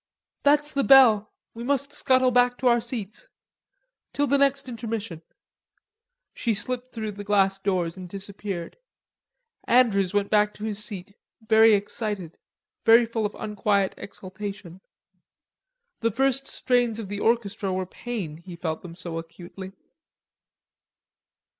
"There's the bell, we must scuttle back to our seats. Till the next intermission." She slipped through the glass doors and disappeared. Andrews went back to his seat very excited, full of unquiet exultation. The first strains of the orchestra were pain, he felt them so acutely.